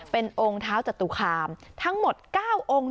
เป็นองค์เท้าจัตุคามทั้งหมด๙องค์ด้วยกัน